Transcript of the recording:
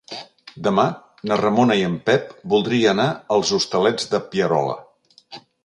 Demà na Ramona i en Pep voldria anar als Hostalets de Pierola.